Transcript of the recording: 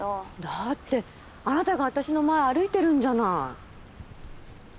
だってあなたが私の前歩いてるんじゃない。